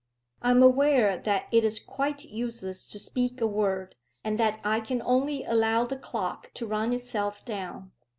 I am aware that it is quite useless to speak a word, and that I can only allow the clock to run itself down.